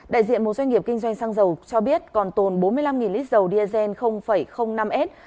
đại diện một doanh nghiệp kinh doanh xăng dầu cho biết còn tồn bốn mươi năm lít dầu diesel năm s